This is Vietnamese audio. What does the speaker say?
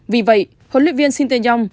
vì vậy hỗ luyện viên sinteyong